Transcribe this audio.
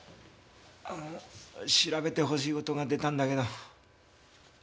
あの調べてほしい事が出たんだけど。